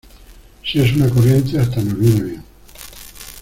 si es una corriente, hasta nos viene bien